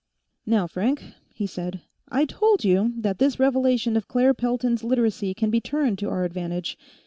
"Now, Frank," he said, "I told you that this revelation of Claire Pelton's Literacy can be turned to our advantage.